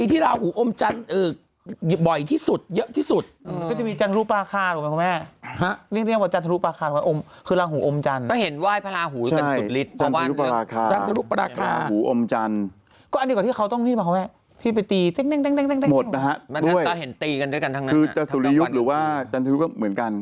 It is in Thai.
ทรัสธุริยุทธ์หรือว่าจันทร์ธุริยุทธ์เหมือนกัน